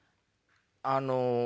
あの。